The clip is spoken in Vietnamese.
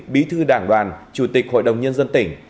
bí thư đảng đoàn chủ tịch hội đồng nhân dân tỉnh